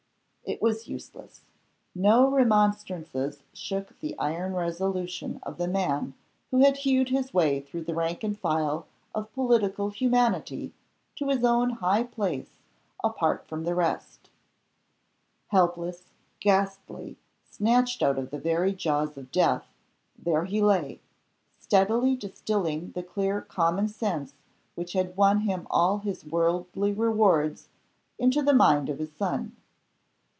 It was useless. No remonstrances shook the iron resolution of the man who had hewed his way through the rank and file of political humanity to his own high place apart from the rest. Helpless, ghastly, snatched out of the very jaws of death, there he lay, steadily distilling the clear common sense which had won him all his worldly rewards into the mind of his son.